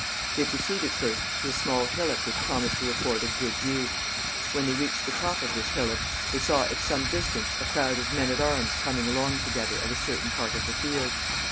They proceeded first to a small hillock which promised to afford a good view. When they reached the top of this hillock, they saw at some distance a crowd of men at arms coming along together at a certain part of the field.